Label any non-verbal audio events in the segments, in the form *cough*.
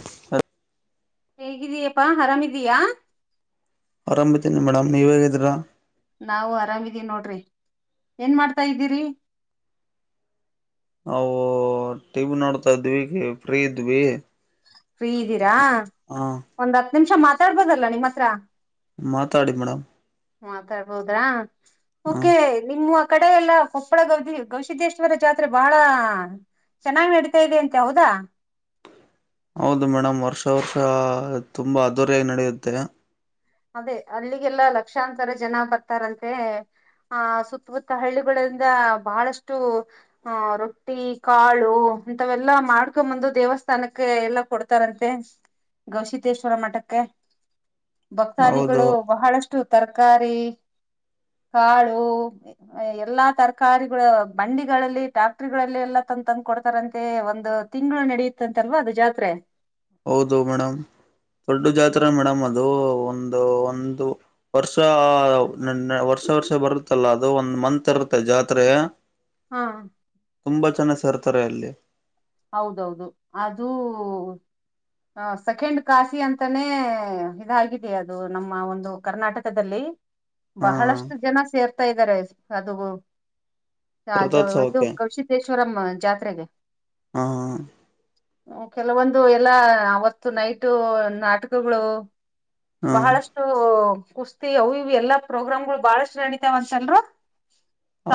*unintelligible* ಹೇಗಿದೀ ಯಪ್ಪಾ ಆರಾಮಿದೀಯಾ? ಆರಾಮಿದಿನಿ ಮೇಡಮ್ ನೀವ್ ಹೇಗಿದ್ರಾ? ನಾವು ಆರಾಮಿದೀವಿ ನೋಡ್ರಿ ಏನ್ ಮಾಡ್ತಾ ಇದ್ದೀರಿ? ನಾವು ಟಿ ವಿ ನೋಡ್ತಾ ಇದ್ವಿ ಫ್ರೀ ಇದ್ವಿ. ಫ್ರೀ ಇದ್ದೀರಾ ಹ ಒಂದ್ ಹತ್ ನಿಮಿಷ ಮಾತಾಡ್ಬೋದಲ್ಲ ನಿಮ್ಮ್ ಹತ್ರ? ಮಾತಾಡಿ ಮೇಡಮ್. ಮಾತಾಡ್ಬೋದಾ ಓ ಹ ಕೆ. ನಿಮ್ಮ ಕಡೆ ಎಲ್ಲ ಕೊಪ್ಪಳದಲ್ಲಿ ಗವಿಸಿದ್ದೇಶ್ವರ ಜಾತ್ರೆ ಬಹಳ ಚನ್ನಾಗ ನಡೀತಾ ಇದೆ ಅಂತ ಹೌದಾ? ಹೌದು ಮೇಡಮ್ ವರ್ಷ ವರ್ಷ ತುಂಬಾ ಅದ್ದುರಿಯಾಗಿ ನಡೆಯುತ್ತೆ. ಅದೇ ಅಲ್ಲಿಗೆಲ್ಲ ಲಕ್ಷಾಂತರ ಜನ ಬರ್ತಾರಂತೆ. ಆ ಸುತ್ತಮುತ್ತ ಹಳ್ಳಿಗಳಿಂದ ಬಹಳಷ್ಟು ಹ ರೊಟ್ಟಿ ಕಾಳು ಇಂಥವೆಲ್ಲಾ ಮಾಡ್ಕೊಂಬಂದು ದೇವಸ್ಥಾನಕ್ಕೆ ಎಲ್ಲಾ ಕೊಡ್ತ ಕೊಡ್ತಾರಂತೆ ಗವಿಸಿದ್ದೇಶ್ವರ ಮಠಕ್ಕೆ. ಹೌದು ಭಕ್ತಾದಿಗಳು ಬಹಳಷ್ಟು ತರಕಾರಿ ಕಾಳು ಎಲ್ಲಾ ತರಕಾರಿಗಳು ಬಂಡಿಗಳಲ್ಲಿ ಟ್ಯಾಕ್ಟ್ರಗಳಲ್ಲಿ ಎಲ್ಲಾ ತಂದ ತಂದ ಕೊಡ್ತಾರಂತೆ ಒಂದು ತಿಂಗಳು ನಡೆಯುತ್ತಂತಲ್ವಾ ಅದು ಜಾತ್ರೆ. ಹೌದು ಮೇಡಮ್ ದೊಡ್ಡ ಜಾತ್ರೆ ಮೇಡಮ್ ಅದು ಒಂದು ಒಂದು ವರ್ಷ *unintelligible* ವರ್ಷ ವರ್ಷ ಬರುತ್ತಲ್ಲ ಅದು ಒಂದ್ ಮಂತ್ ಇರುತ್ತೆ ಜಾತ್ರೆ. ಹ ಹಾ ತುಂಬಾ ಜನ ಸೇರ್ತಾರೆ ಅಲ್ಲಿ. ಹೌದೌದು ಅದು ಹ ಸೆಕೆಂಡ್ ಕಾಶಿ ಅಂತಾನೇ ಇದಾಗಿದೆ ಅದು ನಮ್ಮ ಒಂದು ಕರ್ನಾಟಕದಲ್ಲಿ. ಹಾ ಬಹಳಷ್ಟು ಜನ ಸೇರ್ತಾ ಇದ್ದಾರೆ ಅದು ರಾಜ ಇದು ರಥೋತ್ಸವಕ್ಕೆ ಗವಿಸಿದ್ದೇಶ್ವರಂ ಜಾತ್ರೆಗೆ. ಹಾ ಕೆಲವೊಂದು ಎಲ್ಲಾ ಅವತ್ತು ನೈಟು ನಾಟಕಗಳು ಹಾ ಬಹಳಷ್ಟು ಕುಸ್ತಿ ಅವು ಇವು ಎಲ್ಲಾ ಪ್ರೋಗ್ರಾಮ್ಗಳು ಬಹಳಷ್ಟು ನಡಿತಾವಂತಲ್ರಿ?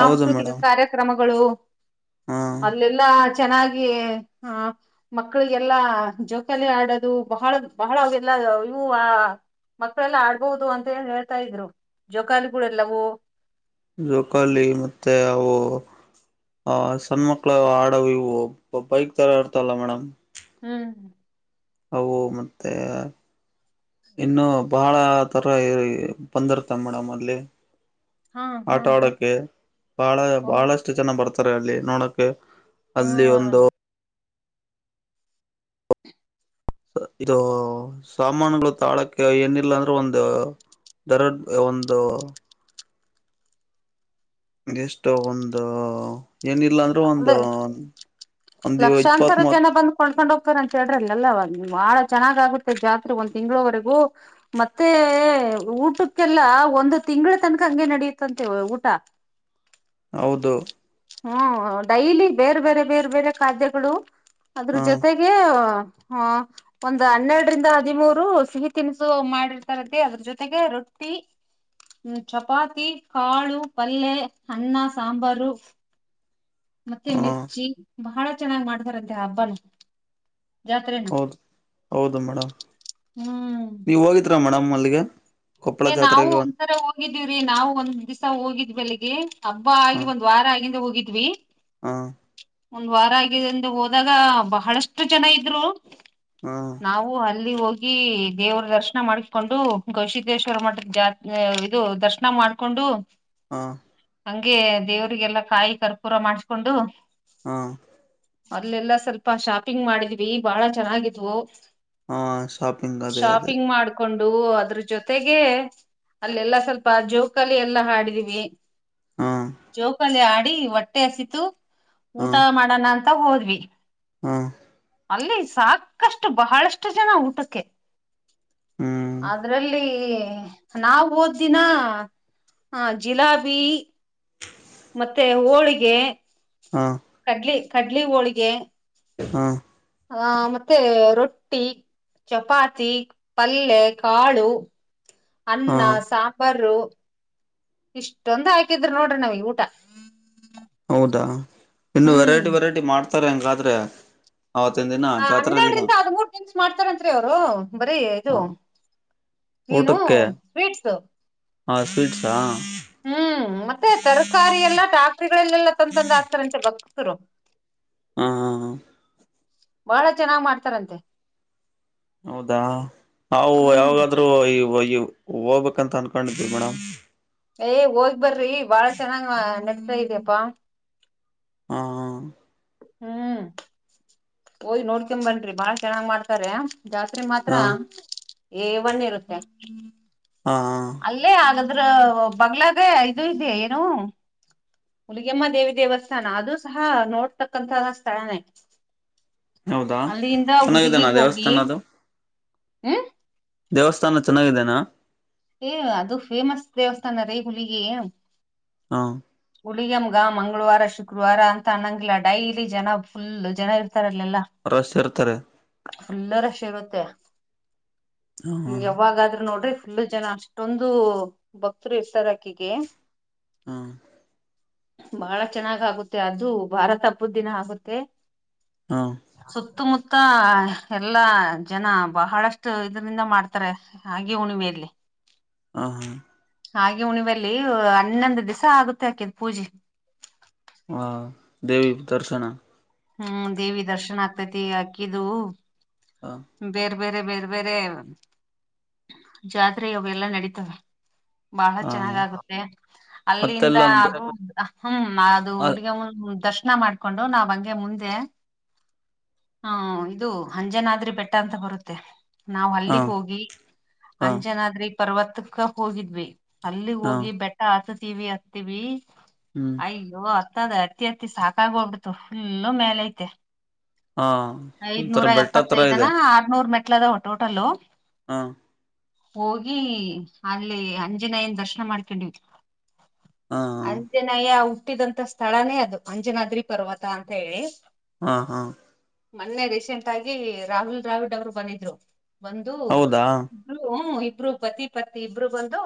ಹೌದು ಮೇಡಮ್ ಕಾರ್ಯಕ್ರಮಗಳು ಹಾ ಅಲೆಲ್ಲಾ ಚೆನ್ನಾಗಿ ಗಿ ಹಾ ಮಕ್ಳಿಗೆಲ್ಲಾ ಜೋಕಾಲಿ ಆಡದು ಬಹಳ ಬಹಳ ಅವೆಲ್ಲ ಇವ ಮಕ್ಕಳೆಲ್ಲ ಆಡ್ಬಹುದು ಅಂತ ಹೇಳಿ ಹೇಳ್ತಾ ಇದ್ರು ಜೋಕಾಲಿಗಳೆಲ್ಲವು ಜೋಕಾಲಿ ಇರುತ್ತೆ ಅವು ಹ ಸಣ್ಣ ಮಕ್ಳ ಆಡವ್ ಇವು ಬೈಕ್ ತರಾ ಇರ್ತಾವಲ್ಲಾ ಮೇಡಮ್ ಹ್ಮ್ ಅವು ಮತ್ತೆ ಇನ್ನು ಬಹಳ ತರ ಬಂದಿರ್ತಾವ್ ಮೇಡಮ್ ಅಲ್ಲಿ. ಹಾ ಹಾ ಆಟ ಹಾ ಆಡಕ್ಕೆ ಬಹಳ ಓ ಬಹಳಷ್ಟು ಜನ ಬರ್ತಾರೆ ಅಲ್ಲಿ ನೋಡಕೆ. ಅಲ್ಲಿ ಒಂದು ಹ್ಮ್ ಇದು ಸಾಮಾನುಗಳು ತಾಳಕ್ಕೆ ಏನಿಲ್ಲ ಅಂದ್ರೆ ಒಂದ ದರಡ್ ಒಂದು ಇದು ಇಷ್ಟ್ ಒಂದ್ ಏನಿಲ್ಲ ಅಂದ್ರು ಒಂದ್ ಅದೇ ಲಕ್ಷಾಂತರ ಜನ ಬಂದ್ ಕೊಂಡ್ಕೊಂಡ್ ಹೋಗ್ತಾರಂತೆ ಜಾತ್ರೆ ಎಲ್ಲ ಅವಗ್ ಬಾಳ ಚೆನ್ನಾಗಾಗುತ್ತೆ ಜಾತ್ರೆ ಒಂದ್ ತಿಂಗಳವರೆಗೂ ಮತ್ತೆ ಊಟಕ್ಕೆಲ್ಲ ಒಂದ್ ತಿಂಗಳ ತನಕ ಹಂಗೆ ನಡಿಯುತ್ತಂತೆ ಊಟ ಹೌದು ಹ್ಮ್ ಡೈಲಿ ಬೇರೆ ಬೇರೆ ಬೇರೆ ಬೇರೆ ಖಾತ್ಯಗಳು ಅದ್ರ ಹಾ ಜೊತೆ ಗೆ ಒಂದ್ ಹನ್ನೆರಡರಿಂದ ಹದಿಮೂರ ರು ಸಿಹಿ ತಿನಿಸು ಮಾಡಿರ್ತಾರಂತೆ ಅದ್ರ ಜೊತೆಗೆ ರೊಟ್ಟಿ ಹ್ಮ್ ಚಪಾತಿ ಕಾಳು ಪಲ್ಲೆ ಅನ್ನ ಸಾಂಬಾರು ಮತ್ತೆ ಹಾ ಮಿರ್ಚಿ ಬಹಳ ಚೆನ್ನಾಗ್ ಮಾಡ್ತಾರಂತೆ ಹಬ್ಬನ್ ಹೌದು ಹೌದು ಮೇಡಮ್ ಹ್ಮ್ ನೀವ ಹೋಗಿದ್ರಾ ಮೇಡಮ್ ಅಲ್ಲಿಗೆ ಕೊಪ್ಪಳ ಏ ನಾವು ಜಾತ್ರೆಗೆ ಒಂದ್ ಸರೆ ಹೋಗಿದೀವ್ರೀ ನಾವು ಒಂದ್ ದಿವಸ ಹೋಗಿದ್ವಿ ಅಲ್ಲಿಗಿ ಹಬ್ಬ ಆಗಿ ಒಂದ್ ವಾರ ಆಗಿಂದ ಹೋಗಿದ್ವಿ ಹಾ ಒಂದ್ ವಾರ ಆಗಿದೆಂದು ಹೋದಾಗ ಬಹಳಷ್ಟು ಜನ ಇದ್ರು ಹಾ ನಾವು ಅಲ್ಲಿ ಹೋಗಿ ದೇವರ ದರ್ಶನ ಮಾಡಿಕೊಂಡು ಗವಿಸಿದ್ದೇಶ್ವರ ಮಠದ ಜಾತ್ರೆ ಇದು ದರ್ಶನ ಮಾಡ್ಕೊಂಡು ಹಾ ಹಂಗೆ ದೇವರಿಗೆಲ್ಲಾ ಕಾಯಿ ಕರ್ಪೂರ ಮಾಡ್ಸ್ಕೊಂಡು ಹಾ ಅಲ್ಲೆಲ್ಲಾ ಸ್ವಲ್ಪ ಶಾಪಿಂಗ್ ಮಾಡಿದ್ವಿ ಬಾಳ ಚೆನ್ನಾಗಿದ್ವು ಹ ಶಾಪಿಂಗ್ ಅದೇ ಅದೇ ಕೊಂಡು ಅದ್ರ ಜೊತೆಗೆ ಅಲ್ಲೆಲ್ಲಾ ಸ್ವಲ್ಪ ಜೋಕಾಲಿ ಎಲ್ಲಾ ಆಡಿದೀವಿ ಹ ಜೋಕಾಲಿ ಆಡಿ ಹೊಟ್ಟೆ ಹಸಿತು ಊಟ ಮಾಡಣ ಅಂತ ಹೋದ್ವಿ ಹ್ಮ್ ಅಲ್ಲಿ ಸಾಕಷ್ಟು ಬಹಳಷ್ಟು ಜನ ಊಟಕ್ಕೆ ಹ್ಮ್ ಅದರಲ್ಲಿ ನಾವ್ ಹೋದಿನ ಜಿಲಾಬಿ ಮತ್ತೆ ಹೋಳಿಗೆ ಹ ಕಡ್ಲಿ ಕಡ್ಲಿ ಹೋಳಿಗೆ ಹ್ಮ ಹ ಮತ್ತೆ ರೊಟ್ಟಿ ಚಪಾತಿ ಪಲ್ಯೆ ಕಾಳು ಅನ್ನ ಸಾಂಬಾರು ಇಷ್ಟೊಂದ್ ಹಾಕಿದ್ರ ನೋಡ್ರಿ ನಮಗ್ ಊಟ ಹೌದಾ ಇನ್ನು ಹ್ಮ್ ವೆರೈಟಿ ವೆರೈಟಿ ಮಾಡ್ತಾರೆ ಹಂಗಾದ್ರೆ ಅವತ್ತಿನ ದಿನ ಹ ಜಾತ್ರೆ ದಿನ ಹನ್ನೆರಡರಿಂದ ಹದಮೂರ್ ದಿನ್ಸ ಮಾಡ್ತಾರಂತ್ರಿ ಅವರು ಬರೀ ಇದು ಹ ಏನು ಸ್ವೀಟ್ಸ್ ಹಾ ಸ್ವೀಟ್ಸಾ ಹ್ಮ್ ಮತ್ತೆ ತರಕಾರಿ ಎಲ್ಲಾ ಟಾಕ್ರಿಗಳಲ್ಲೆಲ್ಲಾ ತಂತಂದ ಹಾಕ್ತಾರಂತೆ ಭಕ್ತರು ಹ್ ಹ್ ಹ್ ಬಹಳ ಚೆನ್ನಾಗ್ ಮಾಡ್ತಾರಂತೆ ಹೌದಾ ನಾವು ಹ್ಮ್ ಯಾವಾಗಾದರೂ ಹೋಗ್ಬೇಕಂತ ಅನ್ಕೊಂಡಿದೀವಿ ಮೇಡಮ್ ಏ ಹೋಗ್ ಬರ್ರಿ ಬಾಳ ಚೆನ್ನಾಗ್ ನಡಿತ್ತಾ ಇದೆಪ್ಪಾ ಹಾ ಹ್ಮ್ ಹೋಗಿ ನೋಡ್ಕ ಬನ್ರೀ ಬಾಳ ಚೆನ್ನಾಗ್ ಮಾಡ್ತಾರ ಜಾತ್ರೆ ಹ ಮಾತ್ರ ಏ ಒನ್ ಇರುತ್ತೆ. ಹಾ ಅಲ್ಲೇ ಹಾಗದ್ರೆ ಬಗ್ಗಲಾಗ ಇದು ಇದೆ ಏನೂ. ಹುಲಿಗೆಮ್ಮ ದೇವಿ ದೇವಸ್ಥಾನ ಅದೂ ಸಹ ನೋಡ್ತಕ್ಕಂತ ಸ್ಥಳಾನೇ ಹೌದಾ ಅಲ್ಲಿಂದ ಚೆನ್ನಾಗಿದ್ದಾನ ಹುಲಿಗಿಗ್ ಹೋಗಿ ದೇವಸ್ಥಾನ ಅದು ಹ್ಮ್ ದೇವಸ್ಥಾನ ಚೆನ್ನಾಗಿದೆೇನಾ. ಏ ಅದು ಫೇಮಸ್ ದೇವಸ್ಥಾನ ರೀ ಹುಲಿಗಿ. ಹ್ಮ್ ಹುಳಗಮ್ಮಗ ಮಂಗಳವಾರ ಶುಕ್ರವಾರ ಅಂತ ಅನ್ನಂಗಿಲ್ಲ ಡೈಲಿ ಜನ ಹ್ಮ ಜನ ಇರ್ತಾರ ಇಲ್ಲೆಲ್ಲಾ ರಶ್ ಇರ್ತಾರೆ. ಫುಲ್ಲ ರಶ್ ಇರುತ್ತೆ ನೀವು ಹ ಯಾವಾಗಾದ್ರೂ ನೋಡ್ರಿ ಫುಲ್ ಜನ ಅಷ್ಟೊಂದು ಭಕ್ತರು ಇರ್ತಾರೆ ಆಕಿಗೆ. ಹ್ಮ್ ಬಾಳ ಚೆನ್ನಾಗ್ ಆಗುತ್ತೆ ಅದು ಭಾರ ತಪ್ಪದ ದಿನ ಆಗುತ್ತೆ. ಹಾ ಸುತ್ತಮುತ್ತ ಎಲ್ಲಾ ಜನ ಬಹಳಷ್ಟು ಇದರಿಂದ ಮಾಡ್ತಾರೆ. ಮಾಗಿ ಹುಣಿಮೆಲ್ಲಿ ಹಾ ಹಾ ಮಾಗಿ ಹುಣಿಮೆಲ್ಲಿ ಹನ್ನೊಂದು ದಿವಸ ಆಗುತ್ತೆ ಆಕಿಗ್ ಪೂಜಿ. ಹಾ ದೇವಿ ದರ್ಶನ ಹ್ಮ್ ದೇವಿ ದರ್ಶನ ಆಗ್ತೈತಿ ಅಕ್ಕಿದು ಹಾ ಬೇರೆ ಬೇರೆ ಬೇರೆ ಬೇರೆ ಜಾತ್ರಿ ಆವೆಲ್ಲಾ ನಡೀತವೆ. ಬಹಳ ಹ ಚೆನ್ನಾಗಗುತ್ತೆ ಅಲ್ಲಿಂದ ಮತ್ತೆಲ್ಲೊಂದು ಅದು ಹ್ಮ್ ದು ಹ ಹುಲಿಗ ದರ್ಶನ ಮಾಡ್ತ್- ಕೊಂಡು ನಾವ್ ಹಂಗೆ ಮುಂದೆ ಹ್ಮ್ ಇದು ಅಂಜನಾದ್ರಿ ಬೆಟ್ಟ್ ಟ್ಟ ಅಂತ ಬರುತ್ತೆ ನಾವ್ ಹ ಅಲ್ಲಿಗ್ ಹೋಗಿ ಹ ಅಂಜನಾದ್ರಿ ಪರ್ವತಕ್ಕ ಹೋಗಿದ್ವಿ ಅಲ್ಲಿ ಹೋಗಿ ಬೆಟ್ಟ ಹತೀವಿ ಹತೀವಿ ಹ್ಮ್ ಅಯ್ಯೋ ಹತ್ತದ ಹತ್ತಿ ಹತ್ತಿ ಸಾಕಾಗೋಗುತ್ತೆ ಪುಲ್ಲು ಮೇಲೈತೆ. ಹಾ ಒಂಥರ ಬೆಟ್ಟತ್ರರ ಇದೆ. ಆ ಆನೂರು ಮೆಟ್ಲ ಅದಾವ ಟೋಟಲು- ಹಾ ಹೋಗಿ ಅಲ್ಲಿ ಆಂಜನೇಯ್ಯನ ದರ್ಶನ ಮಾಡ್ಕೊಂಡಿವಿ ಹಾ ಅಂಜನೇಯ ಹುಟ್ಟಿದಂತ ಸ್ಥಳಾನೇ ಅದು ಅಂಜನಾದ್ರಿ ಪರ್ವತ ಅಂತ ಹೇಳಿ ಹಾ ಹಾ ಮೊನ್ನೆ ರೀಸೆಂಟ್ ಆಗಿ ರಾಹುಲ್ ದ್ರಾವಿಡ್ ಅವರು ಬಂದಿದ್ರು ಬಂದು ಹೌದಾ ಇರು ಹೂ ಇಬ್ಬರು ಪತಿ ಪತ್ನಿ ಇಬ್ಬರು ಬಂದು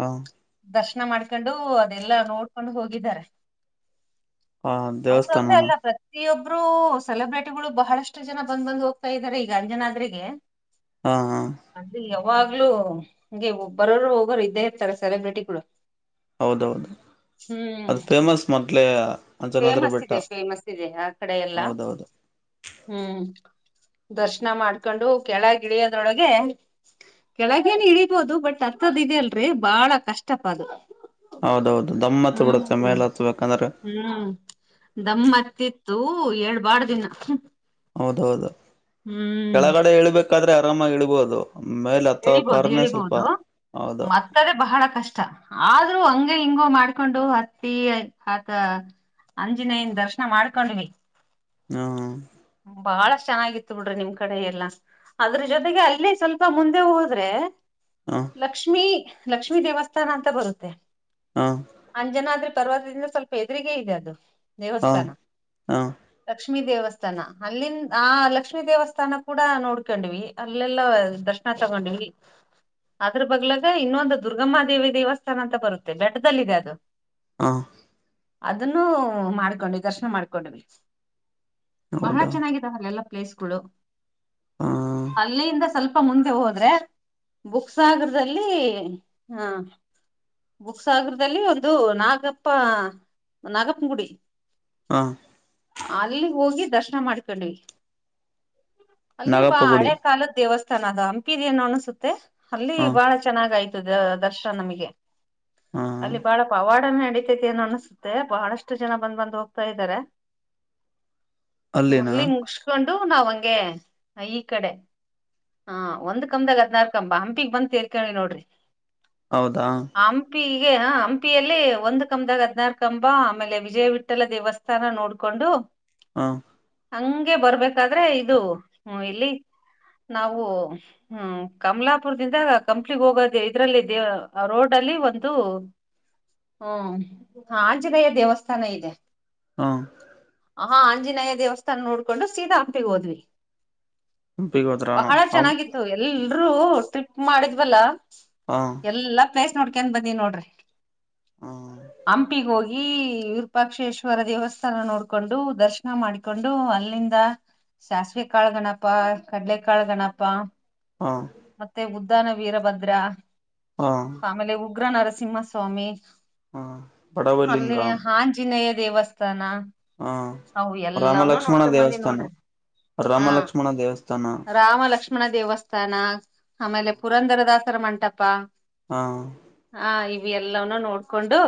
ಹಾ ದರ್ಶನ ಮಾಡ್ಕೊಂಡು ಅದೆಲ್ಲಾ ನೋಡ್ಕೊಂಡು ಹೋಗಿದ್ದಾರೆ. ಹ ಅವರೊಂದ ದೇವಸ್ಥಾನನ ಅಲ್ಲ ಪ್ರ ಪ್ರತಿಯೊಬ್ರು ಸೆಲೆಬ್ರಿಟಿಗಳು ಬಹಳಷ್ಟು ಜನ ಬಂದ್ ಬಂದ್ ಹೋಗ್ತಾ ಇದಾರೆ ಈಗ ಅಂಜನಾದ್ರಿಗೆ ಹಾ ಹಾ *unintelligible* ಅಲ್ಲಿ ಯಾವಾಗ್ಲೂ ಹಿಂಗೆ ಬರೋರು ಹೋಗೋರು ಇದ್ದೇ ಇರ್ತಾರೆ ಸೆಲೆಬ್ರಿಟಿಗಳು ಹೌದು ಹ್ಮ್, ಅಂಜನಾದ್ರಿ ಫೇಮಸ್ ಬೆಟ್ಟ ಇದೆ, ಫೇಮಸ್ ಇದೆ ಆ ಕಡೆ ಎಲ್ಲಾ ಹೌದೌದು ಹ್ಮ್ ದರ್ಶನ ಮಾಡ್ಕೊಂಡು ಕೆಳ ಗಿಳಿಯೊದರೋಳಗೆ ಕೆಳಗೇನ ಇಳೀಬೋದು ಬಟ್ ಅತ್ತದ ಇದೆ ಅಲ್ರಿ ಬಾಳ ಕಷ್ಟಪ ಅದು ಹೌದೌದು ದಮ್ಮ ಹತ್ ಹ್ಮ್ ಬಿಡುತ್ತೆ ಮೇಲೆ ಹತ್ ಬೇಕಂದ್ರೆ ಹ್ಮ್, ದಮ್ಮತ್ತಿತ್ತು ಏಳ್ ಬಾಡ ದಿನಾ- ಹೌದೌದು, ಕೆಳಗಡೆ ಇಳಿಬೇಕಾದ್ರೆ ಆರಾಮಾಗಿ ಇಳ್ಬಹದು ಮೇಲೆ ಇಳಿಬೋದು ಅತ್ತಬೇಕಾದರೇನ ಸ್ವಲ್ಪ ಇಳಿಬೋದು ಹೌದು ಮತ್ತದೇ ಬಹಳ ಕಷ್ಟ ಆದ್ರೂ ಹಂಗೆ -ಹಿಂಗೋ ಮಾಡ್ಕೊಂಡು ಹತ್ತಿ ಹತ ಅಂಜಿನೇಯನ್ ದರ್ಶನ ಮಾಡ್ಕೊಂಡ್ವಿ ಹ್ಮ *unintelligible* ಬಹಳ ಚೆನ್ನಾಗಿತ್ತು ಬಿಡ್ರಿ ನಿಮ್ ಕಡೆ ಎಲ್ಲಾ ಅದ್ರ ಜೊತೆಗೆ ಅಲ್ಲಿ ಸ್ವಲ್ಪ ಮುಂದೆ ಹೋದ್ರೆ ಹಾ *unintelligible* ಲಕ್ಷ್ಮೀ ಲಕ್ಷ್ಮೀ ದೇವಸ್ಥಾನ ಅಂತ ಬರುತ್ತೆ ಹಾ *unintelligible* ಅಂಜನಾದ್ರಿ ಪರ್ವತದಿಂದ ಸ್ವಲ್ಪ ಎದರಿಗೆ ಇದೆ ಅದು ಹಾ ದೇವಸ್ಥಾನ ಹಾ ಲಕ್ಷ್ಮೀ ದೇವಸ್ಥಾನ ಅಲ್ಲಿಂದ ಆ ಲಕ್ಷ್ಮೀ ದೇವಸ್ಥಾನ ಕೂಡ ನೋಡ್ಕೊಂಡ್ವಿ ಅಲ್ಲೆಲ್ಲ ದರ್ಶನ ಹಾ ತಗೊಂಡ ಹೋಗಿ *unintelligible* ಅದ್ರ ಬಗ್ಲಾಗ ಇನ್ನೊಂದು ದುರ್ಗಮ್ಮ ದೇವಿ ದೇವಸ್ಥಾನ ಅಂತ ಬರುತ್ತೆ ಬೆಟ್ಕದಲ್ಲಿ ಇದೆ ಅದು ಹಾ *unintelligible* ಅದನ್ನು ಮಾಡ್ಕೊಂಡ್ವಿ ದರ್ಶನ ಮಾಡ್ಕೊಂಡ್ವಿ ಬಹಳ ಹೌದಾ ಚೆನ್ನಾಗಿದೆ ಅಲ್ಲೆಲ್ಲ ಪ್ಲೇಸ್ಗಳು ಹ ಅಲ್ಲಿಯಿಂದ ಸ್ವಲ್ಪ ಮುಂದೆ ಹೋದ್ರೆ ಬುಕ್ಸಾಗರದಲ್ಲಿ ಹ ಬುಕ್ಸಾಗರದಲ್ಲಿ ಒಂದು ನಾಗಪ್ಪ ನಾಗಪ್ಪನ ಗುಡಿ ಹಾ *inaudible* ಅಲ್ಲಿ ಹೋಗಿ ದರ್ಶನ ಮಾಡ್ಕೊಂಡವಿ ಅಲ್ಲಿ ಬಾ ನಾಗಪ್ಪ ಗುಡಿ ಹಳೆ ಕಾಲದ ದೇವಸ್ಥಾನ ಅದು ಹಂಪಿರಿನ್ನು ಅನಸುತ್ತೆ ಅಲ್ಲಿ ಹ ಬಾಳ ಚೆನ್ನಾಗ ಆಯ್ತು ದರ್ಶನನಮಗೆ ಹ ಅಲ್ಲಿ ಬಹಳ ಪವಾಡ- ಪವಾಡನಡಿತೈತಿ ಅನ್ ಅನಸುತ್ತೆ ಬಹಳಷ್ಟು ಜನ ಬಂದ್ ಬಂದ್ ಹೋಗ್ತಾ ಇದ್ದಾರೆ. ಅಲ್ಲಿನ ಅಲ್ಲಿ ಮುಗಸ್ಕೊಂಡು ನಾವ್ ಹಂಗೆ ಈ ಕಡೆ ಹಾ ಒಂದ್ ಕಂಬದಾಗ ಹದ್ನಾರ ಕಂಬ ಹಂಪಿಗ್ ಬಂದ ತೇರ್ಕಿಂಡ ನೋಡ್ರಿ ಹೌದಾ ಹಂಪಿಗೆ ಹಂಪಿಯಲ್ಲಿ ಒಂದು ಕಂಬದಾಗ ಹದ್ನಾರು ಕಂಬ ಆಮೇಲೆ ವಿಜಯವಿಠಲ ದೇವಸ್ಥಾನ *unintelligible* ರ ನೋಡ್ಕೊಂಡು ಹಾ *unintelligible* ಹಂಗೆ ಬರ್ಬೇಕಾದ್ರೆ ಇದು ಇಲ್ಲಿ ನಾವು ಹ್ಮ್, ಕಮಲಾಪುರ್ದಿಂದ ಕಂಪ್ಲಿಗೆ ಹೋಗೋದೇ ಇದ್ರಲ್ಲಿ ದೇವ ರೋಡ್ ಅಲ್ಲಿ ಒಂದು *inaudible* ಹ್ಮ, ಆಂಜನೇಯ ದೇವಸ್ಥಾನ ಇದೆ. ಹಾ *inaudible* ಹ ಆಂಜನೇಯ ದೇವಸ್ಥಾನ ನೋಡ್ಕೊಂಡು ಸೀದಾ ಹಂಪಿಗೋದ್ವಿ. ಹಂಪಿಗೆ ಹೋದ್ರ ಬಹಳ ಹ ಚೆನ್ನಾಗಿತ್ತು ಎಲ್ರೂ ಟ್ರಿಪ್ ಮಾಡಿದ್ವಲ್ಲ. ಹಾ. ಎಲ್ಲಾ ಪ್ಲೇಸ್ ನೋಡ್ಕೊಂದ್ ಬಂದೀವ್ ನೋಡ್ರಿ ಹ ಹಂಪಿಗೋಗಿ. ಈ ವಿರಪಾಕ್ಷೇಶ್ವರ ದೇವಸ್ಥಾನ ನೋಡಕೊಂಡು ದರ್ಶ್. ಮಾಡ್ಕೊಂಡು ಅಲ್ಲಿಂದ ಸಾಸ್ವಿ ಕಾಳ್ ಗಣಪ ಕಡ್ಲೆಕಾಳ್ ಗಣಪ. ಹಾ. ಮತ್ತೆ ಉದ್ಧನ ವೀರಭದ್ರ. ಹಾ. ಆಮೇಲೆ ಉಗ್ರ ನರಸಿಂಹಸ್ವಾಮಿ ಹ ಅಲ್ಲಿ ಬಡವಲಿಂಗ ಹಂಜ್. ಆಜಿನೆಯ ದೇವಸ್ಥಾನ ಹ ಅವು ಎಲ್ಲಾವ್ನು ರಾಮಲಕ್ಷ್ಮಣ ನೋಡ್ಕೆಂಬಂದಿವ್ ದೇವಸ್ಥಾನ ನೋಡ್ರಿ. ಹಾ ರಾಮಲಕ್ಷ್ಮಣ ದೇವಸ್ಥಾನ ರಾಮ ಲಕ್ಷ ಲಕ್ಷ್ಮಣ ದೇವಸ್ಥಾನ ಅಮೇಲೆ ಪುರಂದರದಾಸರ ಮಂಟಪ. ಹಾ. ಹಾ ಇವ್ ಎಲ್ಲವ್ನು ನೋಡ್ಕೊಂಡು.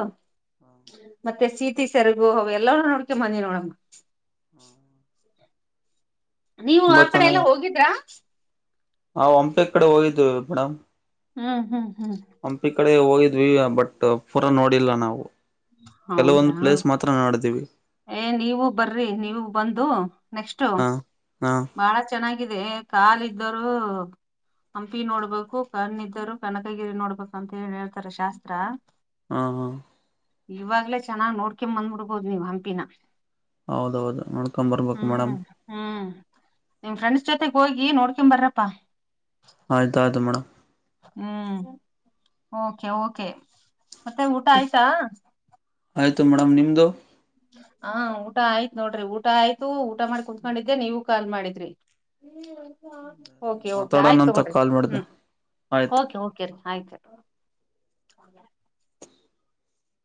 ಮತ್ತೆ ಸೀತಿ ಸೆರ್ಗು ಅವು ಎಲ್ಲವ್ನು ನೋಡ್ಕೆ ಬಂದಿವ್ ನೋಡಮ್ಮ. ನೀವು ತುಂಬಾ ಆಕಡೆ ಎಲ್ಲ ಹೋಗಿದ್ರಾ. ನಾವ್ ಹಂಪೆ ಕಡೆ ಹೋಗಿದ್ದೇವಿ ಮೇಡಮ್. ಹ್ಮ್ ಹ್ಮ್ ಹ್ಮ್. ಹಂಪಿ ಕಡೆ ಹೋಗಿದ್ವಿ ಬಟ್ ಪೂರ ನೋಡಿಲ್ಲ ನಾವು ಕೆಲವೊಂದು ಹೌದ್ರಾ ಪ್ಲೇಸ್ ಮತ್. ಮಾತ್ರ ನೋಡಿದಿವಿ. ಏ ನೀವು ಬರ್ರಿ ನೀವು ಬಂದು ನೆಕ್ಸ್ಟು ಹಾ ಹಾ ಬಹಳ ಚ ಚೆನ್ನಾಗಿದೆ ಕಾಲಿದರು. ಹಂಪಿ ನೋಡ್ಬಾಕು ಕಣ್ಣಿದರು ಕನಕಗಿರಿ ನೋಡ್ಬಾಕು ಅಂತ್ ಹೇಳಿ ಹೇಳ್ತಾರೆ ಶಾಸ್ತ್ರ. ಹಾ ಹಾ. ಇವಾಗ್ಲೇ ಚೆನ್ನಾಗ್ ನೋಡ್ಕೇಂಬಂದ್ಬಿಡ್ಬೋದ್ ನೀವ್ ಹಂಪಿನ. ಹೌದೌದು ನೋಡ್ಕಂಬರ್ಬಕ್ ಮೇಡಮ್. ಹ್ಮ್ ಹ್ಮ್ ನಿಮ್ ಫ್ರೆಂಡ್ಸ್ ಜೊತೆಗ್ ಹೋಗಿ ನೋಡ್ಕೆಂಡ್ ಬರಪ್ಪಾ. ಆಯ್ತ್ ಆಯ್ತು ಮೇಡಂ. ಹ್ಮ್ ಓಕೆ ಓಕೆ ಮತ್ತೆ ಊಟ ಆಯ್ತಾ. ಆಯ್ತು ಮೇಡಂ ನಿಮ್ದು. ಹಾ ಊಟ ಆಯ್ತ್ ನೋಡ್ರಿ ಊಟ ಆಯ್ತು ಊಟ ಮಾಡ್ ಕುಂತ್ಕಂಡಿದೆ ನೀವು ಕಾಲ್ ಮಾಡಿದ್ರಿ. ಓಕೆ ಓಕೆ ಮಾತಾಡೋಣ ಆಯ್ತ್ ಅಂತ ತಗೋಳ್ರಿ ಕಾಲ್ ಮಾಡಿದೆ ಹ್ಮ್ ಆಯ್ತು ಓಕೆ ಓಕೆ ರೀ ಆಯ್ತು.